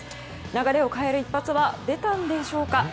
流れを変える一発は出たんでしょうか。